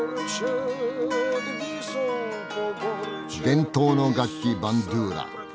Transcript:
伝統の楽器バンドゥーラ。